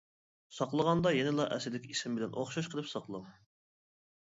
ساقلىغاندا يەنىلا ئەسلىدىكى ئىسىم بىلەن ئوخشاش قىلىپ ساقلاڭ.